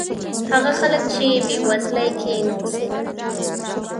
هغه خلک چې بېوزلۍ کې نه اوسېدل.